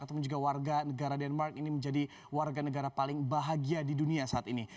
ataupun juga warga negara denmark ini menjadi warga negara paling bahagia di dunia saat ini